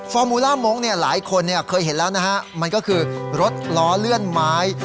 ฟอร์มูลาโม้งเนี่ยหลายคนเนี่ยเคยเห็นแล้วนะฮะมันก็คือรถล้อเลื่อนไม้